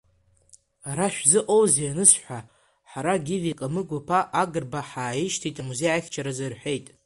Ара шәзыҟоузеи анысҳәа, ҳара Гиви Камыгә-иԥа Агрба ҳааишьҭит амузеи ахьчаразы, — рҳәеит.